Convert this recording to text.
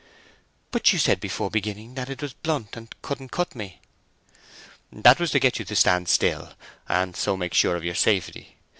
"But you said before beginning that it was blunt and couldn't cut me!" "That was to get you to stand still, and so make sure of your safety.